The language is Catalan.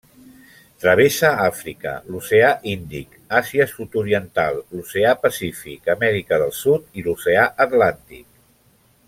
Travessa Àfrica, l'oceà Índic, Àsia sud-oriental, l’Oceà Pacífic, Amèrica del Sud i l'oceà Atlàntic.